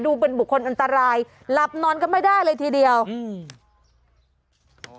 ดูเป็นบุคคลอันตรายหลับนอนกันไม่ได้เลยทีเดียวอืม